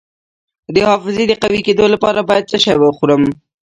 د حافظې د قوي کیدو لپاره باید څه شی وخورم؟